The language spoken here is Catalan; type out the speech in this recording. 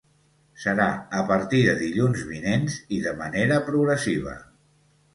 Serà a partir de dilluns vinents i de manera progressiva.